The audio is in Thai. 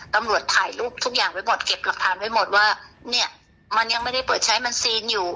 ตำรวจถ่ายรูปทุกอย่างไว้หมดเก็บหลักฐานไว้หมดว่าเนี่ยมันยังไม่ได้เปิดใช้มันซีนอยู่